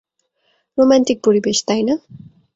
Romantic পরিবেশ, তাই না?